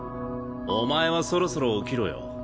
お前はそろそろ起きろよ。